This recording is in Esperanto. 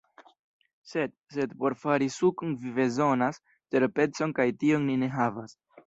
Sed... sed por fari sukon vi bezonas terpecon kaj tion ni ne havas